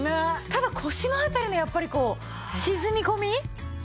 ただ腰の辺りのやっぱりこう沈み込み？